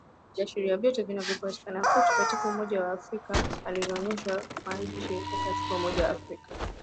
Viashiria vyote vinavyopatikana kwetu katika umoja wa Mataifa na Umoja wa Afrika vinaonyesha kuwa nchi iko kwenye hatari kubwa alisema mjumbe wa Umoja wa Afrika